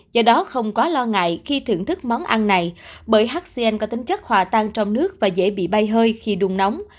do đó không quá lo ngại khi thưởng thức món ăn này bởi hcn có tính chất hòa tan trong nước và dễ bị bay hơi khi đùng nóng